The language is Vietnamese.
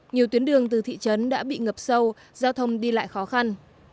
nhiều tuyến đường từ thị trấn đã bị ngập sâu giao thông đi lại khó khăn